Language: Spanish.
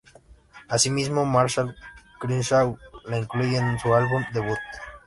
Asimismo, Marshall Crenshaw la incluye en su álbum debut.